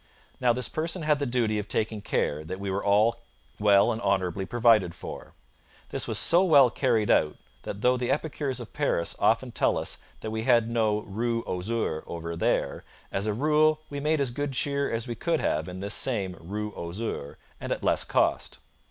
Now, this person had the duty of taking care that we were all well and honourably provided for. This was so well carried out that though the epicures of Paris often tell us that we had no Rue aux Ours over there, as a rule we made as good cheer as we could have in this same Rue aux Ours, and at less cost.